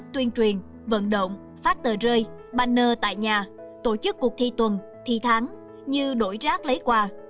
tuyên truyền vận động phát tờ rơi banner tại nhà tổ chức cuộc thi tuần thi tháng như đổi rác lấy quà